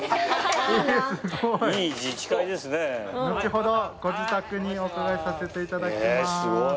後ほどご自宅にお伺いさせていただきます。